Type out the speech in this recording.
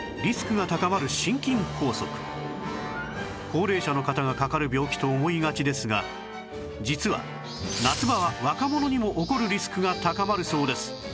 高齢者の方がかかる病気と思いがちですが実は夏場は若者にも起こるリスクが高まるそうです